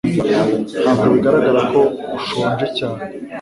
Ntabwo bigaragara ko ushonje cyane